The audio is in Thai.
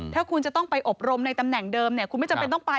ถ้าคุณจะต้องไปอบรมในตำแหน่งเดิมเนี่ยคุณไม่จำเป็นต้องไป